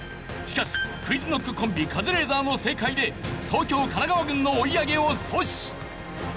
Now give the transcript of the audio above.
しかしクイズノックコンビカズレーザーの正解で東京・神奈川軍の追い上げを阻止！